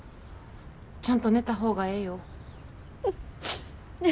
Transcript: ちゃんと寝た方がええよ。